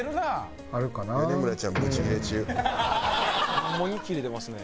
ホンマにキレてますね。